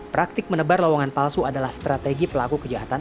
praktik menebar lowongan palsu adalah strategi pelaku kejahatan